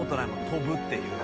「飛ぶ」っていう。